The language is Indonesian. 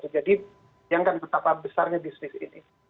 jadi yang kan betapa besarnya bisnis ini